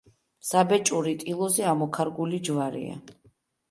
საბეჭური ტილოზე ამოქარგული ჯვარია.